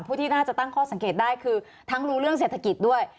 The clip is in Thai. ที่น่าจะตั้งข้อสังเกตได้คือทั้งรู้เรื่องเศรษฐกิจด้วย